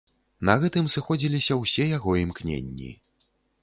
На гэтым сыходзіліся ўсе яго імкненні.